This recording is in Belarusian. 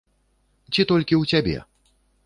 Ці толькі ў цябе?